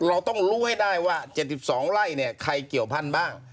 เราต้องรู้ให้ได้ว่า๗๒ไร่เนี่ยใครเกี่ยวพันธุ์บ้าง